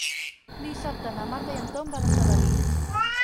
Dissabte na Marta i en Tom van a Sedaví.